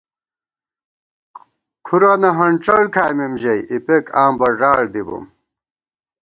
کُھرَنہ ہنڄڑ کھائیمېم ژَئی، اِپېک آں بݫاڑ دِی بوم